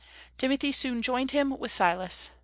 Timothy soon joined him, with Silas.